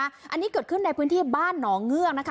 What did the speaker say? อันนี้เกิดขึ้นในพื้นที่บ้านหนองเงือกนะคะ